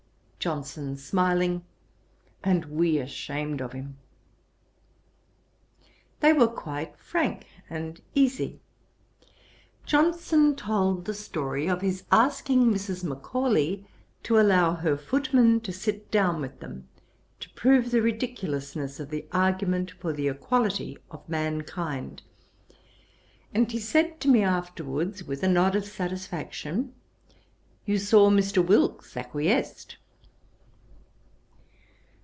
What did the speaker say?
JOHNSON, (smiling) 'And we ashamed of him.' They were quite frank and easy. Johnson told the story of his asking Mrs. Macaulay to allow her footman to sit down with them, to prove the ridiculousness of the argument for the equality of mankind; and he said to me afterwards, with a nod of satisfaction, 'You saw Mr. Wilkes acquiesced.'